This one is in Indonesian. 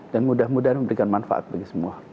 mudah mudahan memberikan manfaat bagi semua